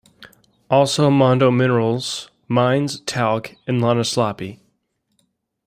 Also Mondo Minerals mines talc in Lahnaslampi.